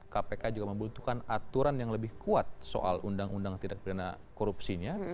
kpk juga membutuhkan aturan yang lebih kuat soal undang undang tidak berdana korupsinya